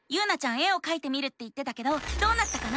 絵をかいてみるって言ってたけどどうなったかな？